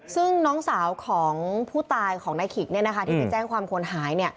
ซึ่งน้องสาวของผู้ตายของนายขิกที่ไปแจ้งความคนหาย